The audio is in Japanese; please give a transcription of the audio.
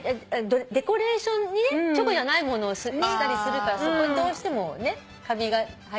デコレーションにねチョコじゃないものをしたりするからどうしてもねカビが生えてきてしまって。